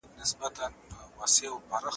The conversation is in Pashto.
شاګرد تر لارښود خپله ژبه خورا ښه سمولای سي.